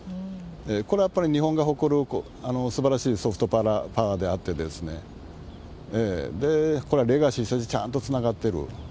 これはやっぱり日本が誇るすばらしいソフトパワーであって、これはレガシー、ちゃんとつながってる。